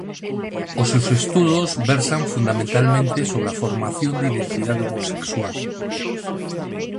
Os seus estudos versan fundamentalmente sobre a formación da identidade homosexual.